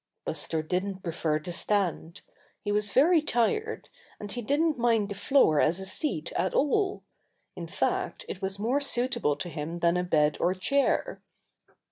Buster didn't prefer to stand. He was very tired, and he didn't mind the floor as a seat at all. In fact, it was more suitable to him than a bed or chair.